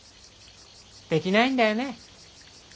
できないんだよね？